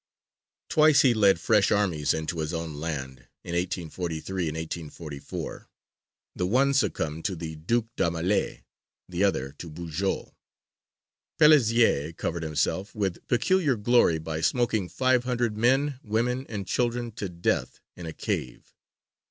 Twice he led fresh armies into his own land, in 1843 and 1844; the one succumbed to the Duc d'Aumale, the other to Bugeaud. Pelissier covered himself with peculiar glory by smoking five hundred men, women, and children to death in a cave.